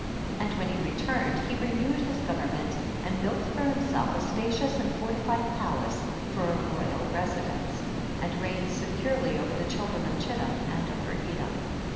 11. And when he returned he renewed his government and built for himself a spacious and fortified palace for a royal residence, and reigned securely over the children of Chittim and over Edom.